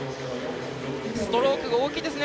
ストロークが大きいですね